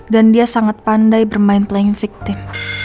dan dia sangat pandai bermain playing victim